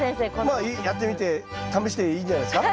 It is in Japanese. まあやってみて試していいんじゃないですか。